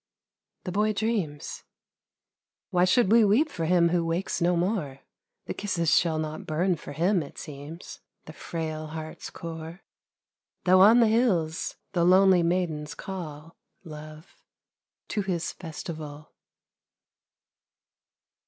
The boy dreams ... Why should we weep for him who wakes no more ? The kisses shall not burn for him, it seems, The frail heart's core ; Though on the hills the lonely maidens call, Love, to his festival.